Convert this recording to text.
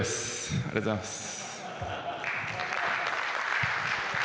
ありがとうございます。